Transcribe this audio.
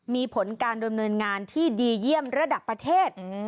มีผลการดำเนินงานที่ดีเยี่ยมระดับประเทศ